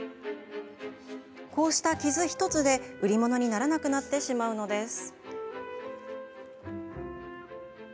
こうした傷１つで、売り物にならなくなってしまうのです。